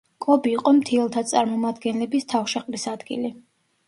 კობი იყო მთიელთა წარმომადგენლების თავშეყრის ადგილი.